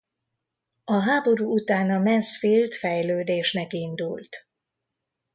A háború után a Mansfield fejlődésnek indult.